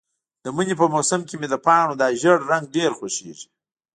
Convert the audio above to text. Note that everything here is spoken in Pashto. د مني په موسم کې مې د پاڼو دا ژېړ رنګ ډېر خوښیږي.